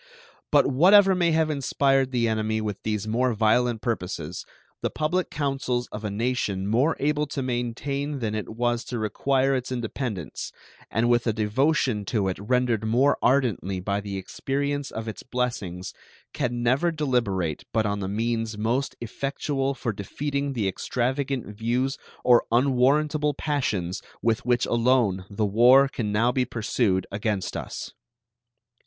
But whatever may have inspired the enemy with these more violent purposes, the public councils of a nation more able to maintain than it was to require its independence, and with a devotion to it rendered more ardently by the experience of its blessings, can never deliberate but on the means most effectual for defeating the extravagant views or unwarrantable passions with which alone the war can now be pursued against us.